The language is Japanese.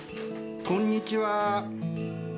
こんにちは。